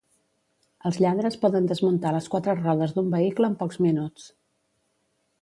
Els lladres poden desmuntar les quatre rodes d'un vehicle en pocs minuts